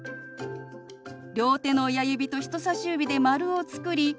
両手の親指と人さし指で丸を作り